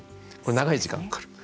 長い時間がかかる。